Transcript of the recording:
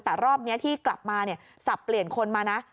แต่รอบนี้ที่กลับมาสับเปลี่ยนคนมานะ